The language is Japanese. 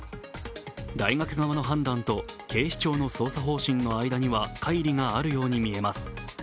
大学側の判断と警視庁の捜査方針の間には乖離があるようにみられます。